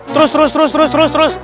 terus terus terus terus terus